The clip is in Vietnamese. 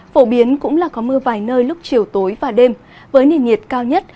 phổ biến cũng là có mưa vài nơi lúc chiều tối và đêm với nền nhiệt cao nhất